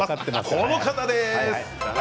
この方です。